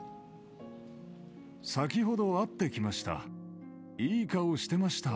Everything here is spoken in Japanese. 先ほど会ってきました。